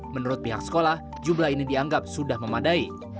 menurut pihak sekolah jumlah ini dianggap sudah memadai